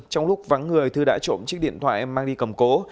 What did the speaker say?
trong lúc vắng người thư đã trộm chiếc điện thoại mang đi cầm cố